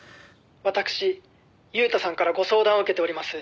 「私裕太さんからご相談を受けております